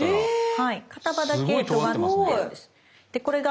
はい片刃だけとがってるんです。